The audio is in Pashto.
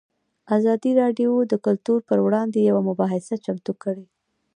ازادي راډیو د کلتور پر وړاندې یوه مباحثه چمتو کړې.